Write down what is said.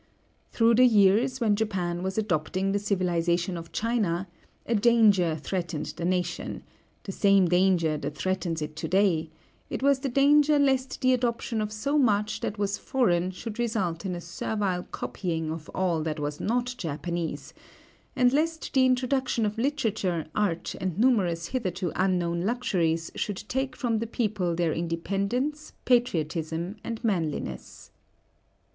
Through the years when Japan was adopting the civilization of China, a danger threatened the nation, the same danger that threatens it to day: it was the danger lest the adoption of so much that was foreign should result in a servile copying of all that was not Japanese, and lest the introduction of literature, art, and numerous hitherto unknown luxuries should take from the people their independence, patriotism, and manliness.